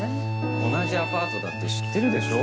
同じアパートだって知ってるでしょ。